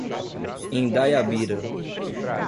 Indaiabira